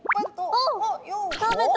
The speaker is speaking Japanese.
あ食べた。